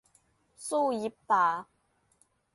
สู้ยิบตา